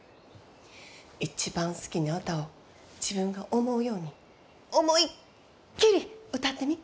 一番好きな歌を自分が思うように思いっきり歌ってみ。